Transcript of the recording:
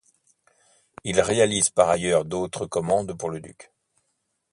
Il réalise par ailleurs d'autres commandes pour le duc.